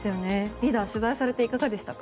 リーダー、取材されていかがでしたか？